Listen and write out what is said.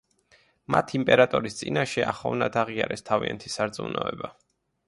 მათ იმპერატორის წინაშე ახოვნად აღიარეს თავიანთი სარწმუნოება.